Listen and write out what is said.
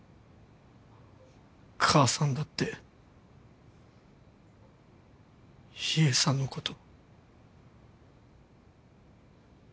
母さんだって秘影さんのこと。